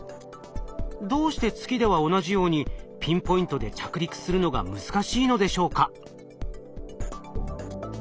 どうして月では同じようにピンポイントで着陸するのが難しいのでしょうか？